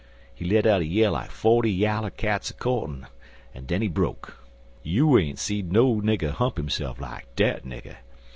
He let a yell like forty yaller cats a courtin', an' den he broke. You ain't seed no nigger hump hisse'f like dat nigger.